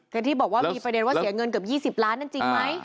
อย่างที่บอกว่ามีประเด็นว่าเสียเงินเกือบ๒๐ล้านนั้นจริงไหม